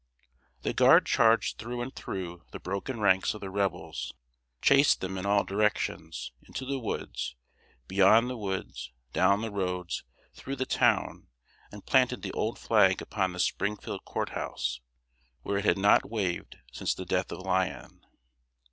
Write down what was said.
The Guard charged through and through the broken ranks of the Rebels, chased them in all directions into the woods, beyond the woods, down the roads, through the town and planted the old flag upon the Springfield court house, where it had not waved since the death of Lyon.